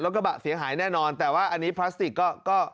กระบะเสียหายแน่นอนแต่ว่าอันนี้พลาสติกก็